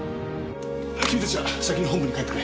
君たちは先に本部に帰ってくれ。